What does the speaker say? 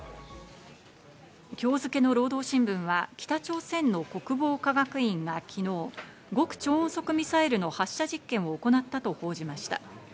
今日付の労働新聞は北朝鮮の国防科学院が昨日、極超音速ミサイルの発射実験を行ったと報じました。